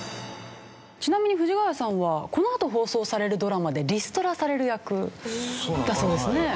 ちなみに藤ヶ谷さんはこのあと放送されるドラマでリストラされる役だそうですね。